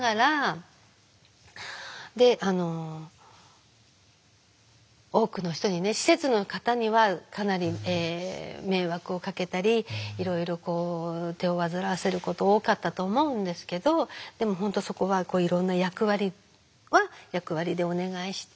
で多くの人にね施設の方にはかなり迷惑をかけたりいろいろこう手を煩わせること多かったと思うんですけどでも本当そこはいろんな役割は役割でお願いして。